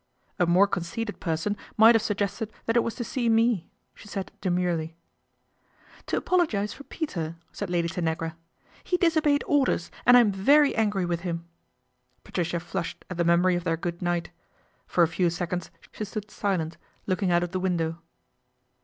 " A more conceited person might have suggested that it was to see me," she said demurely. ' To apologise for Peter," said Lady Tanagra. " He disobeyed orders and I am very angry with him." Patricia flushed at the memory of their good night. For a few seconds she stood silent, looking out of the window.